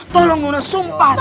tolong nona sumpah serius